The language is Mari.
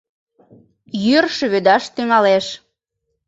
Йӱр шӱведаш тӱҥалеш.